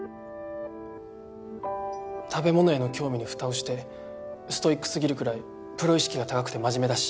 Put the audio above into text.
食べ物への興味にふたをしてストイックすぎるくらいプロ意識が高くて真面目だし。